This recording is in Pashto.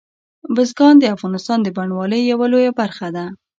بزګان د افغانستان د بڼوالۍ یوه لویه برخه ده.